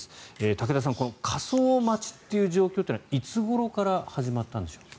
武田さん、火葬待ちという状況はいつごろから始まったんでしょうか。